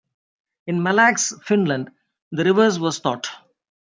In Malax, Finland the reverse was thought.